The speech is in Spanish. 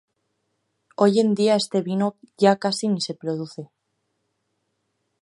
Hoy en día este vino ya casi no se produce.